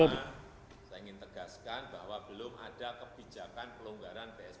saya ingin tegaskan bahwa belum ada kebijakan pelonggaran psbb